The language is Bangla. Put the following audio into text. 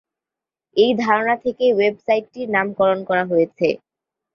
এই ধারণা থেকেই ওয়েবসাইটটির নামকরণ করা হয়েছে।